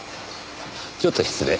ちょっと失礼。